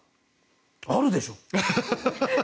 あるでしょ！